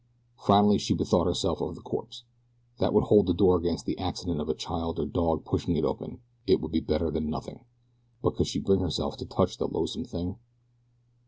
Finally she bethought herself of the corpse. That would hold the door against the accident of a child or dog pushing it open it would be better than nothing, but could she bring herself to touch the loathsome thing?